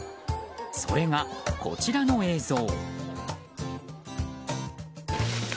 それがこちらの映像。